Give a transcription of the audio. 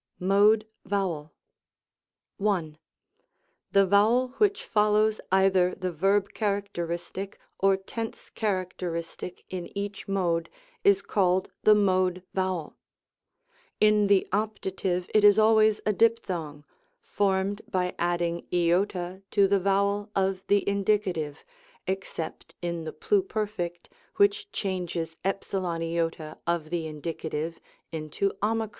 MODE VOWEL. 1. The vowel which follows either the verb char acteristic, or tense characteristic in each mode, is called the mode vowel. In the Opt. it is always a diphthong, formed by adding c to the vowel of the Indie, (except in the Pluperfect, which changes ec of the Indie, into oi). The mode vowel of the Subjunc.